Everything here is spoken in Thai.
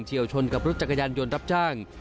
วชนกับรถจักรยานยนต์รับจ้าง